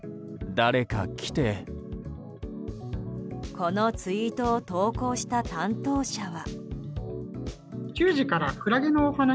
このツイートを投稿した担当者は。